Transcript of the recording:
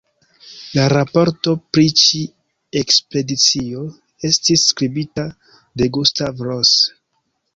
La raporto pri ĉi-ekspedicio estis skribita de Gustav Rose.